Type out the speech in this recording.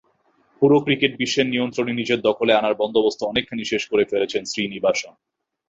পুরো ক্রিকেট বিশ্বের নিয়ন্ত্রণই নিজের দখলে আনার বন্দোবস্ত অনেকখানি শেষ করে ফেলেছেন শ্রীনিবাসন।